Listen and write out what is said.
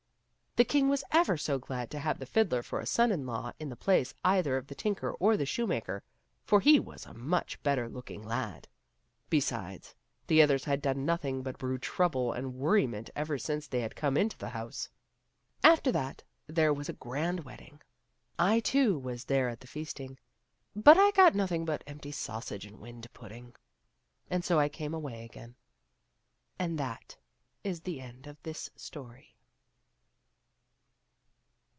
The king was ever so glad to have the fiddler for a son in law in the place either of the tinker or the shoemaker, for he was a much better looking lad. Besides, the others had done nothing but brew trouble and worriment ever since they had come into the house. After that there was a grand wedding. I too was there at the feasting^ but I got nothing but empty sausage and wind pudding, and so I came away again. And that is the end of this story.